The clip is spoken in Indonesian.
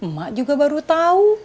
mak juga baru tahu